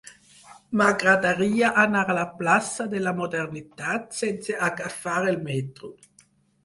M'agradaria anar a la plaça de la Modernitat sense agafar el metro.